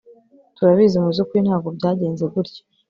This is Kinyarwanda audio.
Turabizi mubyukuri ntabwo byagenze gutya